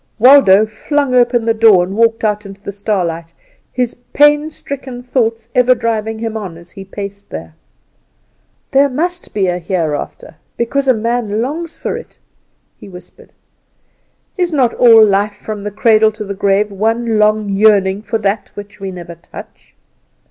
Waldo flung open the door, and walked out into the starlight, his pain stricken thoughts ever driving him on as he paced there. "There must be a Hereafter because man longs for it!" he whispered. "Is not all life from the cradle to the grave one long yearning for that which we never touch?